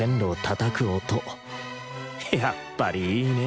やっぱりいいね